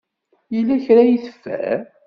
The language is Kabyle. Yella kra ay teffer?